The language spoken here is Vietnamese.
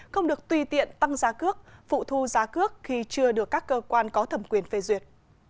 không được tùy tiện tăng giá cước phụ thu giá cước khi chưa được các cơ quan có thẩm quyền phê duyệt